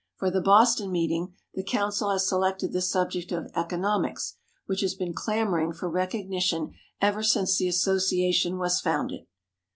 For the Boston meeting the Council has selected the subject of "Economics," which has been clamoring for recognition ever since the association was founded.